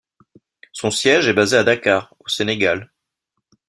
Son siège est basé à Dakar, au Sénégal.